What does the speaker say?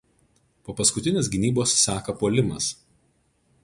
Po paskutinės gynybos seka puolimas.